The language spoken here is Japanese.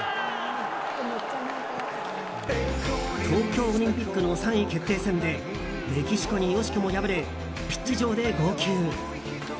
東京オリンピックの３位決定戦でメキシコに惜しくも敗れピッチ上で号泣。